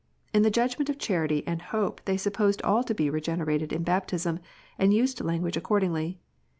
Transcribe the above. In the judgment of charity and hope they sup posed all to be regenerated in baptism, and used language, accordingly.